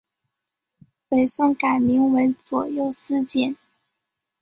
北宋改名为左右司谏。